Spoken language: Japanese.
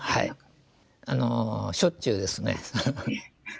もうしょっちゅうです。